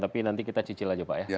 tapi nanti kita cicil aja pak ya